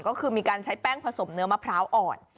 ก็คือมีการใช้แป้งผสมเนื้อมะพร้าวอ่อน